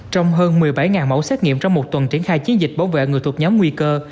trong hơn một mươi bảy mẫu xét nghiệm trong một tuần triển khai chiến dịch bảo vệ người thuộc nhóm nguy cơ